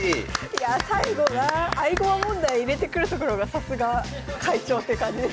いやあ最後な合駒問題入れてくるところがさすが会長って感じですね。